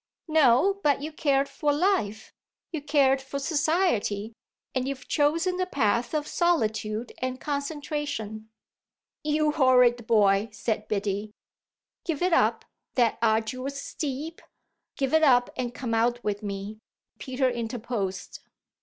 "No, but you cared for life, you cared for society, and you've chosen the path of solitude and concentration." "You horrid boy!" said Biddy. "Give it up, that arduous steep give it up and come out with me," Peter interposed.